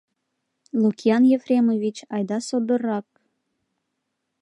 Лукиан Ефремович, айда содоррак!